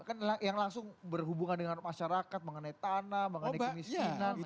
kan yang langsung berhubungan dengan masyarakat mengenai tanah makanan